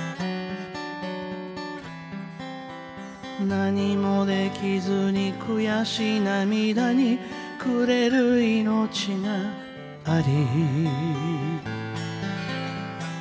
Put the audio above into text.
「何も出来ずに悔し涙に暮れる生命があり」